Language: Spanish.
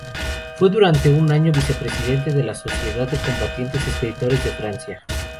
Fue durante un año el vicepresidente de la Sociedad de Combatientes Escritores de Francia.